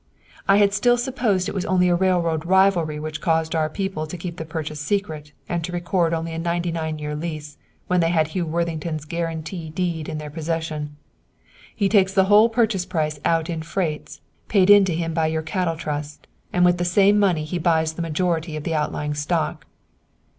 "I had still supposed it was only railroad rivalry which caused our people to keep the purchase secret and to record only a ninety nine year lease, when they had Hugh Worthington's guarantee deed in their possession. "He takes the whole purchase price out in freights, paid in to him by your cattle trust, and with this same money he buys the majority of the outlying stock."